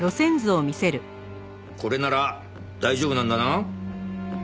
これなら大丈夫なんだな？